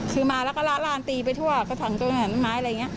คือมาแล้วก็ละลานตีไปทั่วกระถังตรงนั้นไม้อะไรอย่างนี้